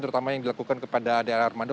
terutama yang dilakukan kepada daerah armando